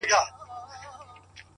اچيل یې ژاړي ـ مړ یې پېزوان دی ـ